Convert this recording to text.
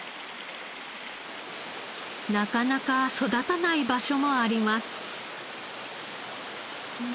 なかなか育たない場所もあります。